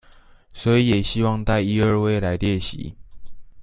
所以也希望帶一二位來列席